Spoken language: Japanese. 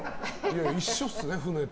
一緒っすね、船と。